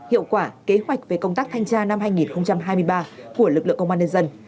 hiệu quả kế hoạch về công tác thanh tra năm hai nghìn hai mươi ba